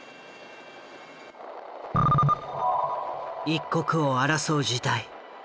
一刻を争う事態。